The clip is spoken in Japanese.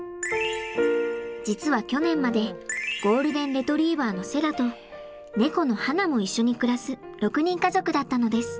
実は去年までゴールデン・レトリーバーのセラと猫のはなも一緒に暮らす６人家族だったのです。